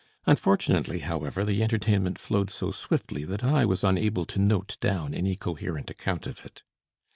Unfortunately, however, the entertainment flowed so swiftly that I was unable to note down any coherent account of it.